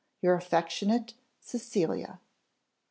Your affectionate CECILIA."